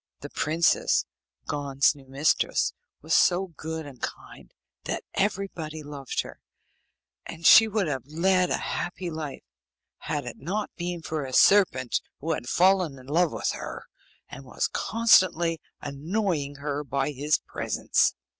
The princess, Gon's new mistress, was so good and kind that everybody loved her, and she would have led a happy life, had it not been for a serpent who had fallen in love with her, and was constantly annoying her by his presence.